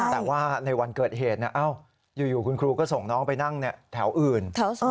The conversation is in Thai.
แต่ว่าในวันเกิดเหตุอยู่คุณครูก็ส่งน้องไปนั่งแถวอื่น